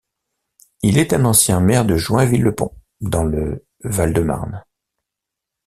Il est un ancien maire de Joinville-le-Pont, dans le Val-de-Marne.